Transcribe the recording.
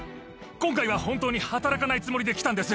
今回は本当に働かないつもりで来たんです。